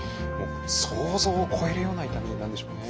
想像を超えるような痛みなんでしょうね。